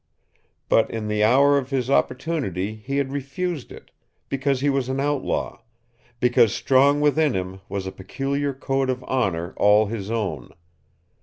But in the hour of his opportunity he had refused it because he was an outlaw because strong within him was a peculiar code of honor all his own.